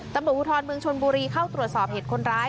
ตำรวจภูทรเมืองชนบุรีเข้าตรวจสอบเหตุคนร้าย